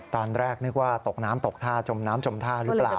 ตอนแรกนึกว่าตกน้ำตกท่าจมน้ำจมท่าหรือเปล่า